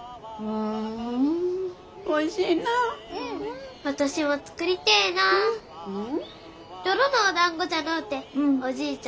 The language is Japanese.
うん？